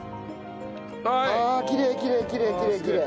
ああきれいきれいきれいきれいきれい！